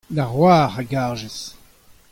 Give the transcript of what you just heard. da c'hoar a garjes.